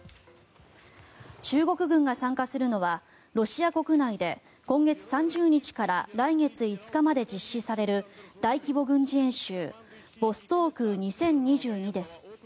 中国軍が参加するのはロシア国内で今月３０日から来月５日まで実施される大規模軍事演習ボストーク２０２２です。